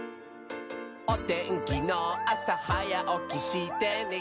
「おてんきのあさはやおきしてね」